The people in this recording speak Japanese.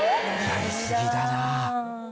やりすぎだなあ。